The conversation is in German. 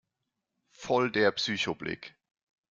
Voll der Psycho-Blick!